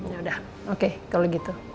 yaudah oke kalau gitu